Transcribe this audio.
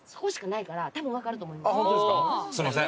すみません。